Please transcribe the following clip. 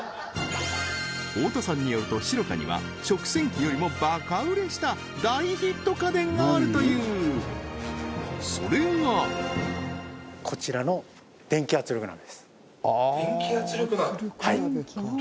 太田さんによるとシロカには食洗機よりもバカ売れした大ヒット家電があるというそれが電気圧力鍋！？